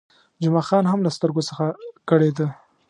جمعه خان هم له سترګو څخه کړېده.